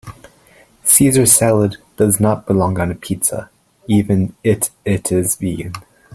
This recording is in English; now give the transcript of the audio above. Caesar salad does not belong on a pizza even it it is vegan.